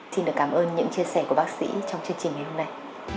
xin được cảm ơn những chia sẻ của bác sĩ trong chương trình ngày hôm nay